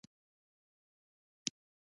د بوډا قاضیانو له وسه پورته خبره ده.